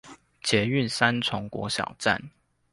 捷運三重國小站